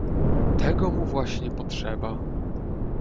"tego mu właśnie potrzeba!"